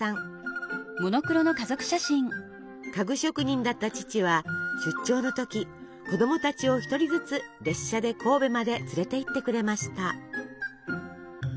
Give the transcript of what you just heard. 家具職人だった父は出張の時子供たちを一人ずつ列車で神戸まで連れていってくれました。